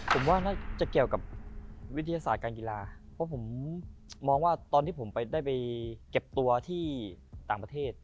ผมว่าน่าจะเกี่ยวกับวิทยาศาสตร์การกีฬาเพราะผมมองว่าตอนที่ผมไปได้ไปเก็บตัวที่ต่างประเทศ